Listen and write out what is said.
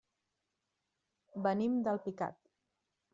Venim d'Alpicat.